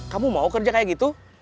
kamu mau kerja kayak gitu